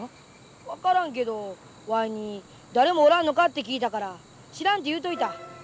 分からんけどわいに誰もおらんのかって聞いたから知らんて言うといた。